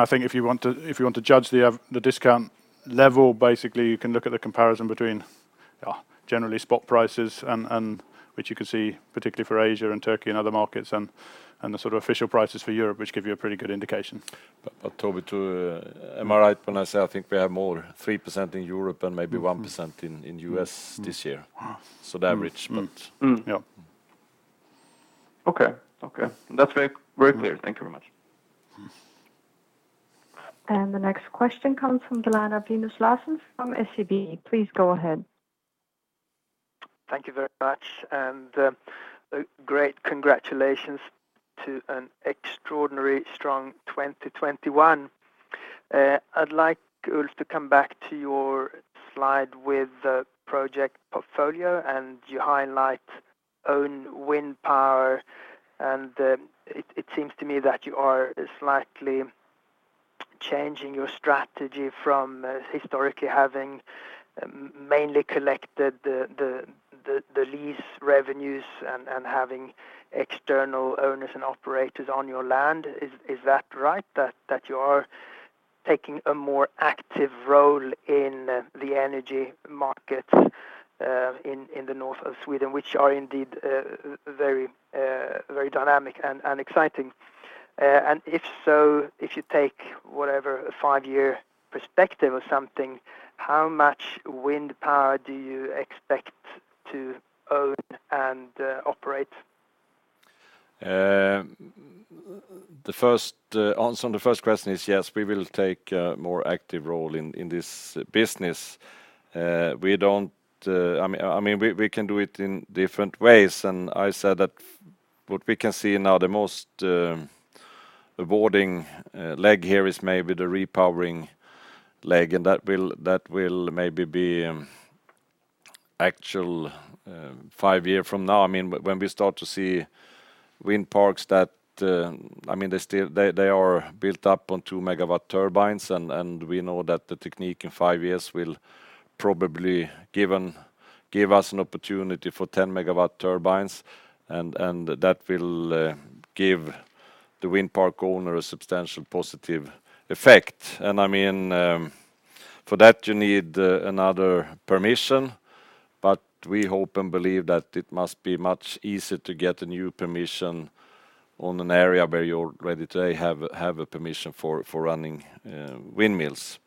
think if you want to judge the discount level, basically, you can look at the comparison between generally spot prices and which you can see particularly for Asia and Turkey and other markets and the sort of official prices for Europe, which give you a pretty good indication. Toby, too, am I right when I say I think we have more 3% in Europe and maybe 1% in U.S. this year? The average. Mm. Mm. Yeah Okay. Okay, that's very, very clear. Thank you very much. The next question comes from the line of Linus Larsson from SEB. Please go ahead. Thank you very much, and great congratulations to an extraordinary strong 2021. I'd like, Ulf, to come back to your slide with the project portfolio, and you highlight own wind power, and it seems to me that you are slightly changing your strategy from historically having mainly collected the lease revenues and having external owners and operators on your land. Is that right that you are taking a more active role in the energy market in the north of Sweden, which are indeed very very dynamic and exciting? If so, if you take whatever five-year perspective or something, how much wind power do you expect to own and operate? The first answer on the first question is yes, we will take a more active role in this business. I mean, we can do it in different ways, and I said that what we can see now, the most rewarding leg here is maybe the repowering leg, and that will maybe be actual five years from now. I mean, when we start to see wind parks that I mean, they are built up on 2 MW turbines and we know that the technology in five years will probably give us an opportunity for 10 MW turbines and that will give the wind park owner a substantial positive effect. I mean, for that, you need another permission, but we hope and believe that it must be much easier to get a new permission on an area where you already today have a permission for running windmills.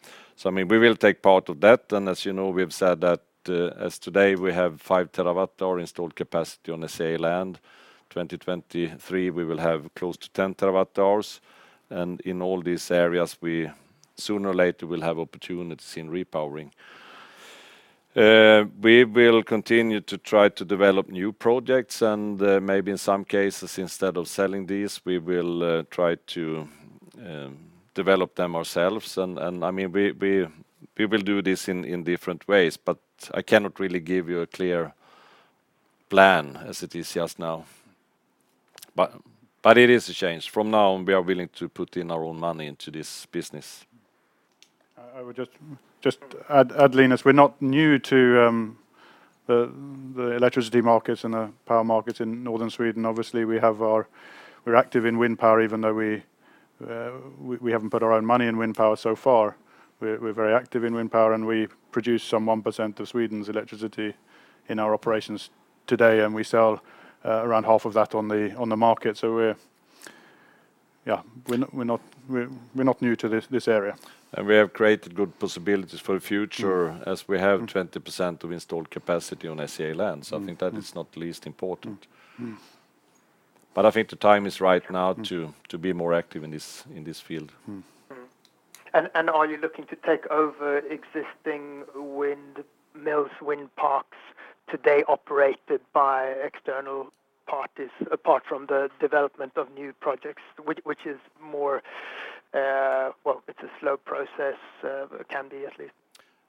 I mean, we will take part of that, and as you know, we have said that as of today, we have 5 TWh installed capacity on the SCA land. In 2023, we will have close to 10 TWh, and in all these areas, we sooner or later will have opportunities in repowering. We will continue to try to develop new projects, and maybe in some cases, instead of selling these, we will try to develop them ourselves. I mean, we will do this in different ways, but I cannot really give you a clear plan as it is just now. It is a change. From now on, we are willing to put in our own money into this business. I would just add, Linus, we're not new to the electricity markets and the power markets in northern Sweden. Obviously, we're active in wind power even though we haven't put our own money in wind power so far. We're very active in wind power, and we produce some 1% of Sweden's electricity in our operations today, and we sell around half of that on the market. We're not new to this area. We have created good possibilities for the future. Mm-hmm. As we have 20% of installed capacity on SCA land. Mm-hmm. I think that is not least important. Mm-hmm. I think the time is right now. Mm-hmm. To be more active in this field. Mm-hmm. Are you looking to take over existing windmills, wind parks today operated by external parties apart from the development of new projects, which is more? Well, it's a slow process, can be at least?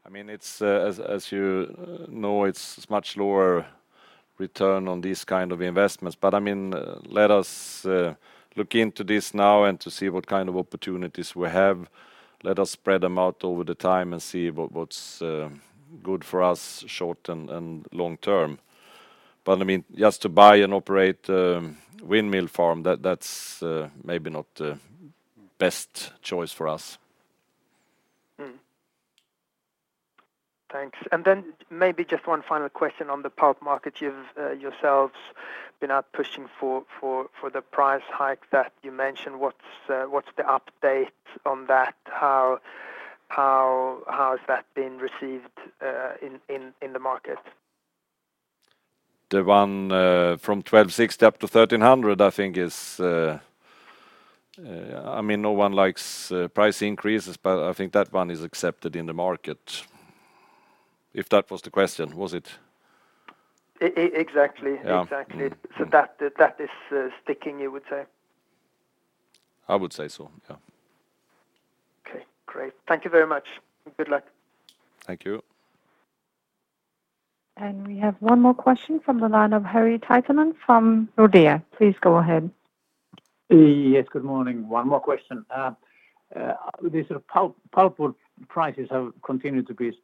I mean, as you know, it's much lower return on these kind of investments. I mean, let us look into this now and to see what kind of opportunities we have. Let us spread them out over the time and see what's good for us short and long term. I mean, just to buy and operate a windmill farm, that's maybe not the best choice for us. Mm-hmm. Thanks. Maybe just one final question on the pulp market. You've yourselves been out pushing for the price hike that you mentioned. What's the update on that? How has that been received in the market? The one from 1,260 to 1,300 I think is. I mean, no one likes price increases, but I think that one is accepted in the market, if that was the question. Was it? E-e-exactly. Yeah. Exactly. That is sticking, you would say? I would say so, yeah. Okay, great. Thank you very much. Good luck. Thank you. We have one more question from the line of Harri Taittonen from Nordea. Please go ahead. Yes, good morning. One more question. The sort of pulpwood prices have continued to be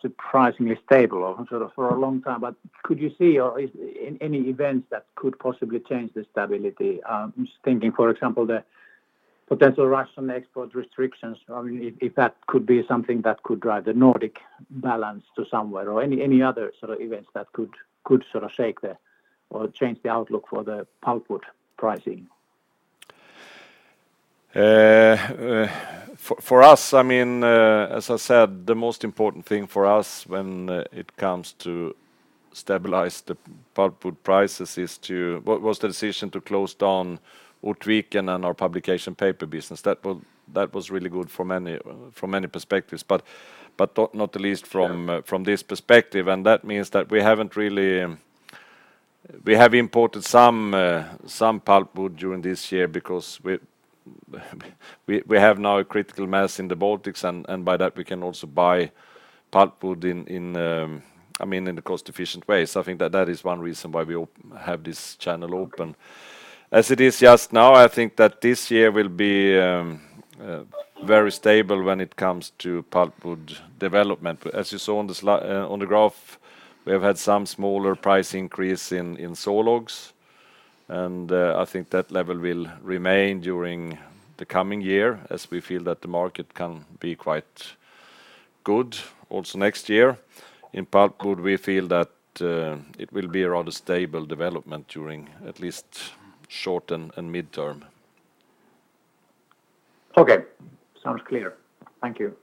surprisingly stable or sort of for a long time, but could you see any events that could possibly change the stability? Just thinking, for example, the potential Russian export restrictions, I mean, if that could be something that could drive the Nordic balance to somewhere or any other sort of events that could sort of shake or change the outlook for the pulpwood pricing. For us, I mean, as I said, the most important thing for us when it comes to stabilize the pulpwood prices is the decision to close down Ortviken and our publication paper business. That was really good from many perspectives, but not the least from- Yeah. From this perspective, that means that we haven't really. We have imported some pulpwood during this year because we have now a critical mass in the Baltics and by that, we can also buy pulpwood in, I mean, in a cost-efficient way. I think that is one reason why we have this channel open. As it is just now, I think that this year will be very stable when it comes to pulpwood development. As you saw on the graph, we have had some smaller price increase in sawlogs, and I think that level will remain during the coming year as we feel that the market can be quite good also next year. In pulpwood, we feel that it will be a rather stable development during at least short and midterm. Okay. Sounds clear. Thank you.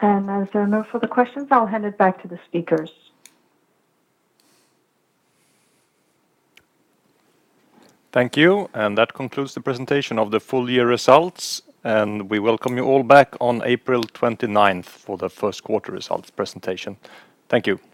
As there are no further questions, I'll hand it back to the speakers. Thank you, and that concludes the presentation of the full year results, and we welcome you all back on April 29th for the first quarter results presentation. Thank you.